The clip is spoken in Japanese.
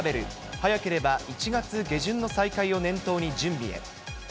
早ければ１月下旬の再開を念頭に準備へ。